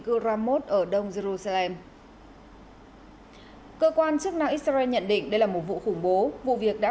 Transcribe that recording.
cưramos ở đông jerusalem cơ quan chức năng israel nhận định đây là một vụ khủng bố vụ việc đã